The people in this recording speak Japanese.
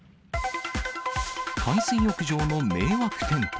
海水浴場の迷惑テント。